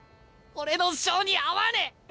俺の性に合わねえ。